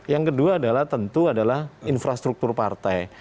yang kedua adalah tentu adalah infrastruktur partai